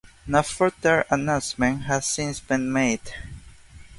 No further announcements have since been made.